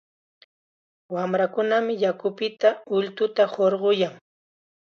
Wamrakunam yakupita ultuta hurquyan.